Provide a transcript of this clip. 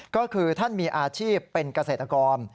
ก็คือท่านมีอาชีพเป็นเกษตรกร